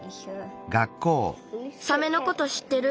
サメのことしってる？